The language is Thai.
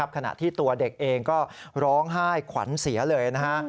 ขณะที่ตัวเด็กเองก็ร้องไห้ขวัญเสียเลยนะฮะ